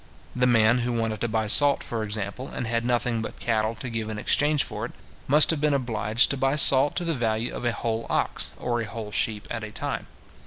The man who wanted to buy salt, for example, and had nothing but cattle to give in exchange for it, must have been obliged to buy salt to the value of a whole ox, or a whole sheep, at a time.